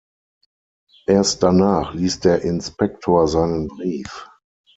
Erst danach liest der Inspektor seinen Brief.